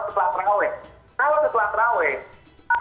setelah terawih kalau setelah terawih